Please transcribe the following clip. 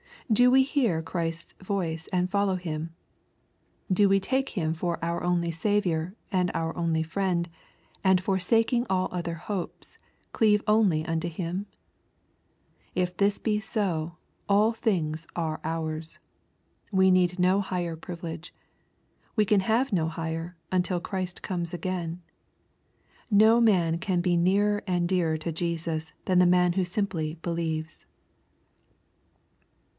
Do we hear Christ's voice and follow Him ? Do we take Him for our only Saviour and our only Friend, and forsaking all other hopes, cleave only unto Him ? If this be so, all things are ours. We need no higher privilege. We can have no higher, until Christ comes again. No man can be nearer and dearer to Jesus than the man who simply believes.